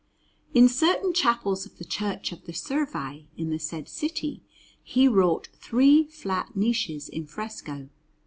In certain chapels of the Church of the Servi in the said city he wrought three flat niches in fresco.